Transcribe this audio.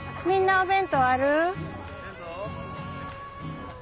みんなお弁当ある？